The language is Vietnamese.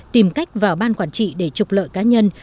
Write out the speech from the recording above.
tìm cách vào ban quản trị để trục lợi cá nhân